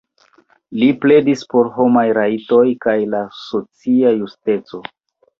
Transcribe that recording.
Li pledis por homaj rajtoj kaj la socia justeco.